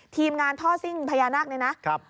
ทีมงานท่อซิ่งพญานาคเนี่ยนะ